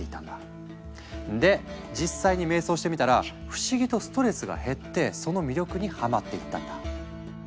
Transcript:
で実際に瞑想してみたら不思議とストレスが減ってその魅力にハマっていったんだ。